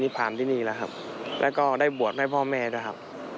นี่นอนก็ปกติเหมือนลิงนิดหนึ่ง